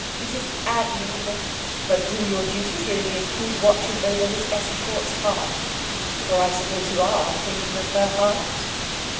It is admirable. But do your duties really include watching over Miss Estcourt's heart? For I suppose you are thinking of her heart?"